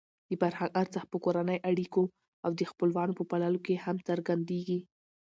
د فرهنګ ارزښت په کورنۍ اړیکو او د خپلوانو په پاللو کې هم څرګندېږي.